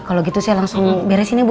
kalau gitu saya langsung beresin ya bu